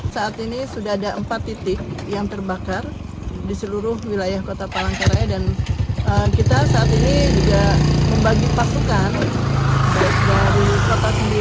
saat ini sudah ada empat titik yang terbakar di seluruh wilayah kota palangkaraya dan kita saat ini juga membagi pasukan dari kota sendiri